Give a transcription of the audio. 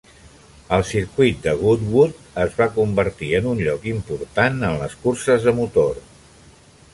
El circuit de Goodwood es va convertir en un lloc important en les curses de motor.